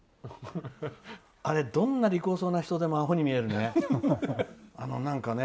あれ、どんな利口そうな人でもあほに見えるんだよね。